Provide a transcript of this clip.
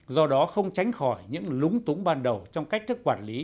do đó không tránh khỏi những lúng túng ban đầu trong cách thức quản lý